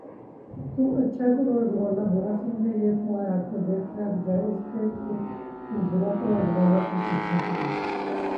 تم اچھا کرو اور زمانہ برا سمجھے، یہ تمہارے حق میں بہتر ہے بجائے اس کے تم برا کرو اور زمانہ تم کو اچھا سمجھے